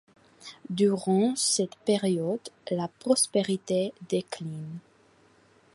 Durant cette période, la prospérité décline.